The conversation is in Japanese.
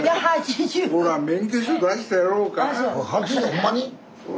ほんまに？